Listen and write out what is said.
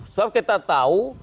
sebab kita tahu